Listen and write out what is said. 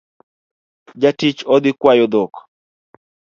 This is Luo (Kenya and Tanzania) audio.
Jatich odhii kwayo dhok